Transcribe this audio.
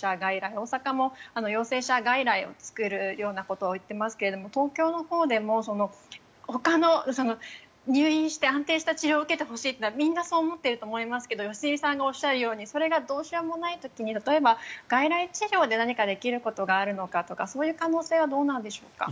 大阪も陽性者外来を作るようなことを言っていますけれども東京のほうでもほかの入院して安定した治療を受けてほしいというのはみんなそう思っていると思いますが良純さんがおっしゃるようにそれがどうしようもない時に外来治療でやれることがあるのかとかそういう可能性はどうなんでしょうか？